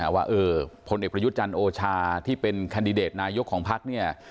ว่าพลเอกประยุทธ์จันทร์โอชาที่เป็นแคนดิเดตนายกของพักเนี่ย